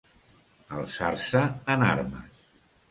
Alçar-se en armes.